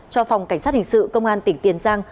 cho phòng cảnh sát hình sự công an tỉnh tiền giang